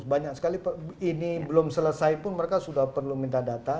banyak sekali ini belum selesai pun mereka sudah perlu minta data